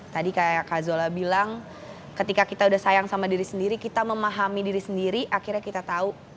tadi kayak kak zola bilang ketika kita udah sayang sama diri sendiri kita memahami diri sendiri akhirnya kita tahu